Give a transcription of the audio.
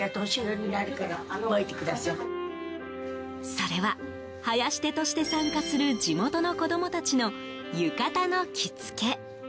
それははやし手として参加する地元の子供たちの浴衣の着付け。